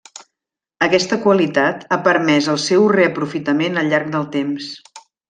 Aquesta qualitat ha permès el seu reaprofitament al llarg del temps.